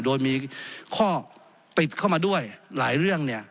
โดยมีข้อติดเข้ามาด้วยหลายเรื่องเนี่ย